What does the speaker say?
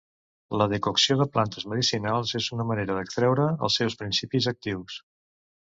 La decocció de plantes medicinals és una manera d'extreure els seus principis actius.